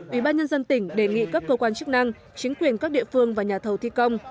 ủy ban nhân dân tỉnh đề nghị các cơ quan chức năng chính quyền các địa phương và nhà thầu thi công